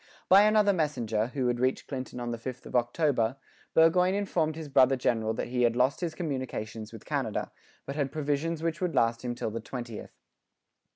By another messenger, who reached Clinton on the 5th of October, Burgoyne informed his brother general that he had lost his communications with Canada, but had provisions which would last him till the 20th.